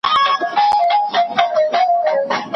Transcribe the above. استاد نسي کولای خپله دنده د پوره معلوماتو پرته ترسره کړي.